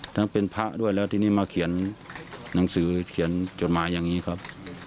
ทั้งเป็นพระด้วยแล้วทีนี้มาเขียนหนังสือเขียนจดหมายอย่างนี้ครับ